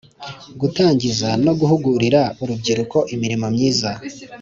Gutangiza no guhugurira urubyiruko imirimo myiza